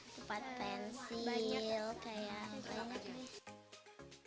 tempat pensil kayak banyak